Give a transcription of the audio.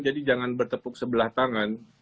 jadi jangan bertepuk sebelah tangan